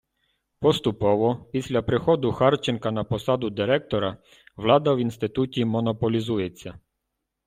Поступово, після приходу Харченка на посаду Директора, влада в Інституті монополізується.